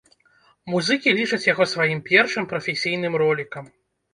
Музыкі лічаць яго сваім першым прафесійным ролікам.